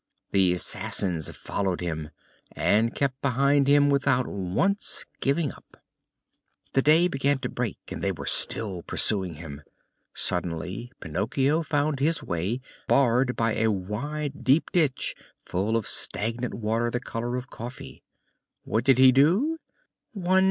The assassins followed him, and kept behind him without once giving up. The day began to break and they were still pursuing him. Suddenly Pinocchio found his way barred by a wide, deep ditch full of stagnant water the color of coffee. What was he to do? "One!